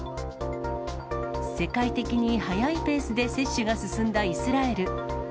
世界的に速いペースで接種が進んだイスラエル。